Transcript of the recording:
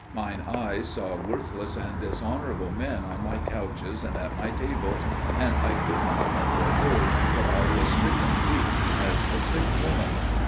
Mine eyes saw worthless and dishonourable men on my couches and at my tables, and I could not utter a word, for I was stricken weak, as a sick woman.